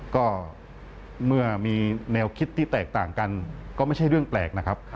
ก็เมื่อมีแนวคิดที่แตกต่างกันก็ไม่ใช่เรื่องแปลกนะครับ